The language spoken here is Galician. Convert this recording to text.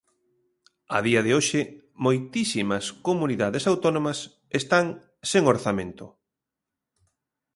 A día de hoxe moitísimas comunidades autónomas están sen orzamento.